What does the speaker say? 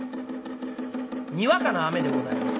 にわかな雨でございます。